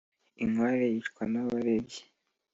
inkware yicwa n’abarebyi